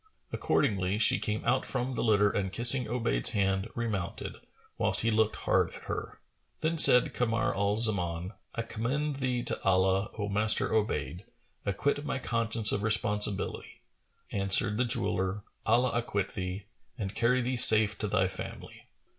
Accordingly, she came out from the litter and kissing Obayd's hand, remounted, whilst he looked hard at her. Then said Kamar al Zaman, "I commend thee to Allah, O Master Obayd! Acquit my conscience of responsibility.[FN#435]" Answered the jeweller, "Allah acquit thee! and carry thee safe to thy family!"